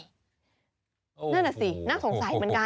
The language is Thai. นั่นแหละสิน่าสงสัยเหมือนกัน